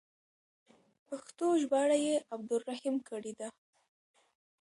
پښتو ژباړه یې عبدالرحیم کړې ده.